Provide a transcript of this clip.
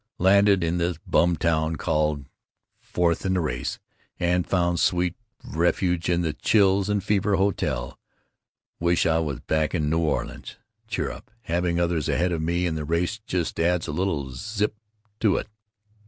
Landed in this bum town, called ——, fourth in the race, and found sweet (?) refuge in this chills and fever hotel. Wish I was back in New Orleans. Cheer up, having others ahead of me in the race just adds a little zip to it.